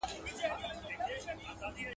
شريعت د غلو لپاره سزا ټاکلې ده.